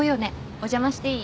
お邪魔していい？